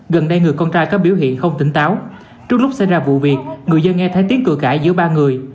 gần đây người con trai có biểu hiện không tỉnh táo trước lúc xảy ra vụ việc người dân nghe thấy tiếng cửa cãi giữa ba người